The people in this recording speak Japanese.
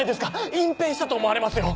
隠蔽したと思われますよ。